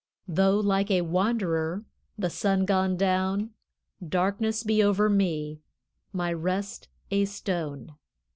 Though like a wanderer, The sun gone down, Darkness be over me, My rest a stone.